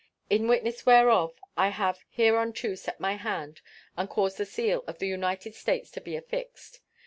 In witness whereof I have hereunto set my hand and caused the seal of the United States to be affixed.